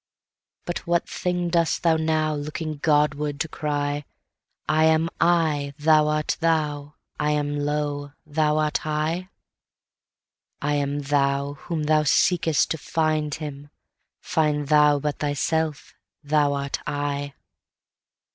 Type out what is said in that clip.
But what thing dost thou now, Looking Godward, to cry"I am I, thou art thou,I am low, thou art high?"I am thou, whom thou seekest to find him; find thou but thyself, thou art I.